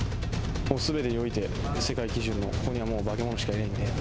もうすべてにおいて世界基準のここには化け物しかいない。